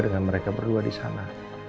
dan mereka berdua disana